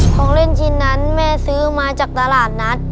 ของเล่นชิ้นนั้นแม่ซื้อมาจากตลาดนัด